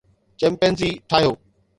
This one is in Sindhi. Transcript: چمپينزي ٺاهيو